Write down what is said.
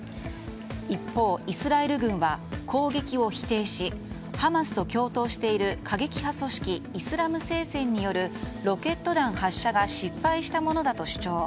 一方、イスラエル軍は攻撃を否定しハマスと共闘している過激派組織イスラエル聖戦によるロケット弾発射が失敗したものだと主張。